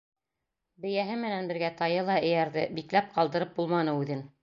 Бейәһе менән бергә тайы ла эйәрҙе, бикләп ҡалдырып булманы үҙен.